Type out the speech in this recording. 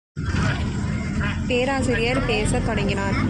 பேராசிரியர் பேசத் தொடங்கினார்.